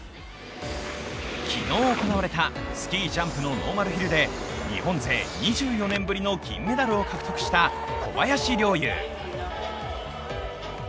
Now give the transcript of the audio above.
昨日行われたスキージャンプのノーマルヒルで日本勢２４年ぶりの金メダルを獲得した小林陵侑。